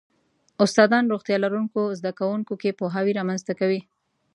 استادان روغتیا لرونکو زده کوونکو کې پوهاوی رامنځته کوي.